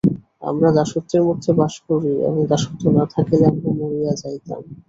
আমরা দাসত্বের মধ্যে বাস করি, এবং দাসত্ব না থাকিলে আমরা মরিয়া যাইতাম।